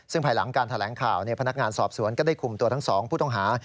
ซึ่งภายหลังการแถลงข่าวพนักงานสอบสวนก็ได้คุมตัวทั้งสองผู้ต้องหา